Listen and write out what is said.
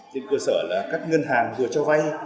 trên cơ sở là các ngân hàng vừa cho vay